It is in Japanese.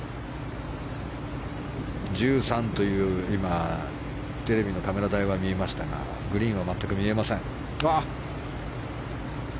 １３というテレビのカメラ台は見えましたがグリーンは全く見えません。